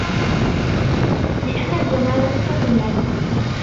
لِأَنَّ الْجَمَالَ صِفَةٌ لَازِمَةٌ